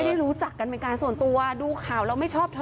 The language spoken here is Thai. ไม่ได้รู้จักกันเหมือนกันส่วนตัวดูข่าวเราไม่ชอบเธอ